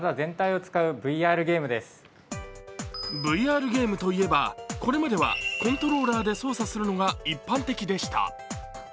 ＶＲゲームといえばこれまではコントローラーで操作するのが一般的でした。